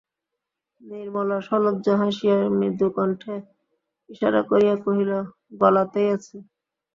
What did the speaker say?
নির্মলা সলজ্জ হাসিয়া মুদুকণ্ঠে ইশারা করিয়া কহিল, গলাতেই আছে।